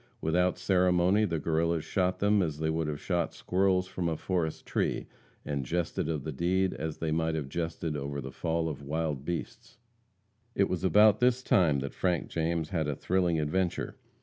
Without ceremony the Guerrillas shot them as they would have shot squirrels from a forest tree, and jested of the deed as they might have jested over the fall of wild beasts. It was about this time that Frank James had a thrilling adventure.